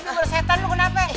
bersetan lu kenapa